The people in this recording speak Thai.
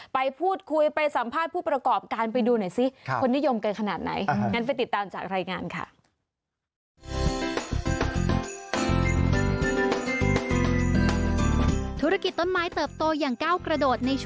ไปพูดคุยไปสัมภาษณ์ผู้ประกอบการไปดูหน่อยซิคนนิยมกันขนาดไหน